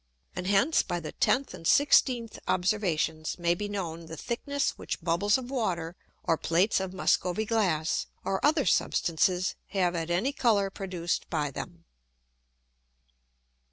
And hence, by the 10th and 16th Observations, may be known the thickness which Bubbles of Water, or Plates of Muscovy Glass, or other Substances, have at any Colour produced by them.